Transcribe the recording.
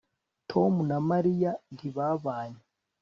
tom na mariya ntibabanye